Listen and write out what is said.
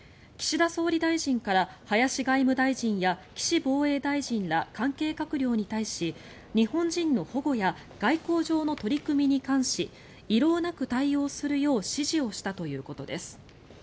岸田総理大臣から林外務大臣や岸防衛大臣ら関係閣僚に対し日本人の保護や外交上の取り組みに関し遺漏なく対応するよう指示をしたということです。